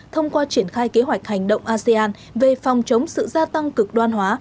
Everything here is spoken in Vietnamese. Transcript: thông qua triển khai kế hoạch hành động asean về phòng chống sự gia tăng cực đoan hóa